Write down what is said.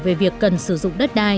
về việc cần sử dụng đất đai